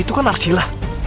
itu kan arsila